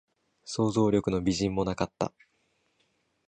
想像力の微塵もなかった